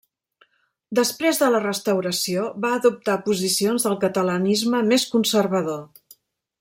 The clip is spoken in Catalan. Després de la Restauració, va adoptar posicions del catalanisme més conservador.